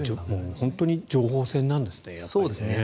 本当に情報戦なんですね。